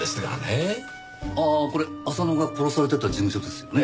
ああこれ浅野が殺されてた事務所ですよね。